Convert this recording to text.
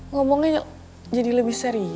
ngomongnya jadi lebih serius ya